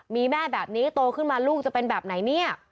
มีแม่แบบนี้โตขึ้นมาลูกจะเป็นแบบไหนเนี่ย